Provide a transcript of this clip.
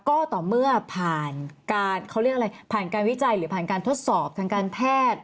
ก็ต่อเมื่อผ่านการวิจัยหรือผ่านการทดสอบทางการแพทย์